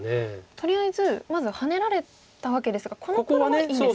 とりあえずまずハネられたわけですがこの黒はいいんですか？